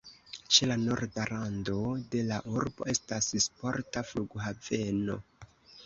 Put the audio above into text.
Ĉe la norda rando de la urbo estas sporta flughaveno.